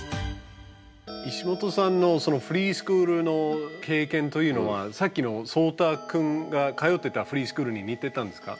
石本さんのそのフリースクールの経験というのはさっきのそうたくんが通ってたフリースクールに似てたんですか？